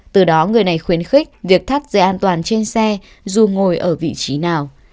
từ đó người này khuyến khích việc thắt dây an toàn trên xe dù ngồi ở vị trí nào